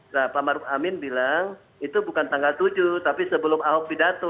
pak amaruf amin bilang itu bukan tanggal tujuh tapi sebelum ahok bidato